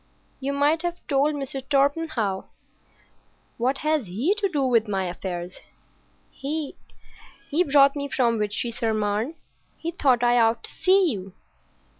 "You might have told Mr. Torpenhow." "What has he to do with my affairs?" "He—he brought me from Vitry sur Marne. He thought I ought to see you."